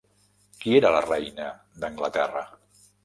Qui era la reina d'Anglaterra?